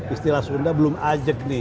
istilah sunda belum ajak nih